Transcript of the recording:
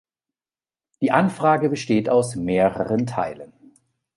Die Anfrage besteht aus mehreren Teilen.